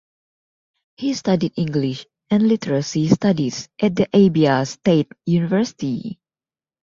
He studied English and Literary Studies at the Abia State University.